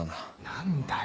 何だよ。